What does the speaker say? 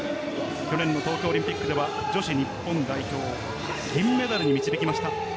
東京オリンピックでは女子日本代表を銀メダルに導きました。